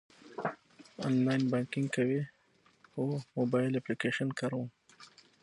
آنلاین بانکینګ کوئ؟ هو، موبایل اپلیکیشن کاروم